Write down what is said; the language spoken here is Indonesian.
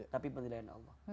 tapi penilaian allah